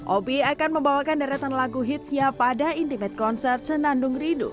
obi akan membawakan deretan lagu hitsnya pada intimate concert senandung rindu